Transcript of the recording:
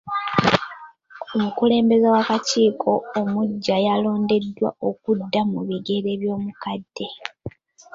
Omukulembeze w'akakiiko omuggya yalondeddwa okudda mu bigere by'omukadde.